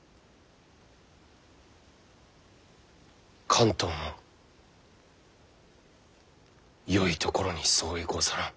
関東もよいところに相違ござらん。